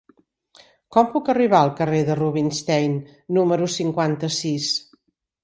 Com puc arribar al carrer de Rubinstein número cinquanta-sis?